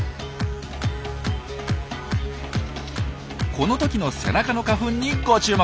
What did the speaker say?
この時の背中の花粉にご注目。